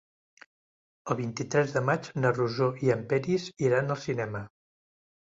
El vint-i-tres de maig na Rosó i en Peris iran al cinema.